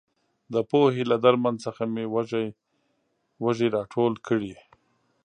د پوهې له درمن څخه مې وږي راټول کړي.